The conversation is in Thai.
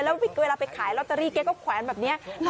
แล้วเวลาไปขายลอตเตอรี่แกก็แขวนแบบนี้